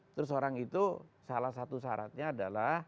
terus orang itu salah satu syaratnya adalah